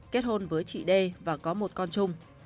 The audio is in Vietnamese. kết hôn với chị đê và có một con chung